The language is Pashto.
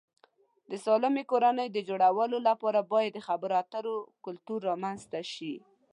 د سالمې کورنۍ د جوړولو لپاره باید د خبرو اترو کلتور رامنځته شي.